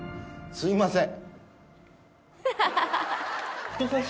すいません。